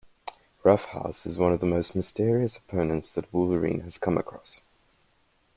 Roughouse is one of the most mysterious opponents that Wolverine has come across.